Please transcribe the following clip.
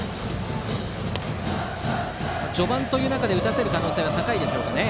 序盤という中で打たせる可能性は高いですかね。